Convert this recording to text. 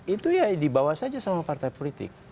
itu ya dibawa saja sama partai politik